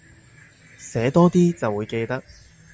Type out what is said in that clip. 寫多啲就會記得